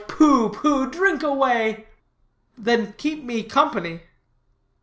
Pooh, pooh! drink away." "Then keep me company."